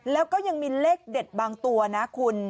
แล้วก็ยังมีเลขเด็ดบางตัวนะคุณ